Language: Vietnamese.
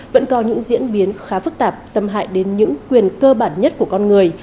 vẫn có những diễn biến khá phức tạp xâm hại đến những quyền cơ bản nhất của con người